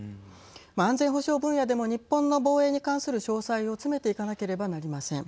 安全保障分野でも日本の防衛に関する詳細を詰めていかなければなりません。